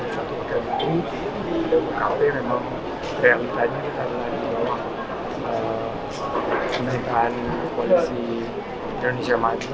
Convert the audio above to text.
satu dari dua menteri yang memang pria mentahnya adalah pemerintahan kualisi indonesia maju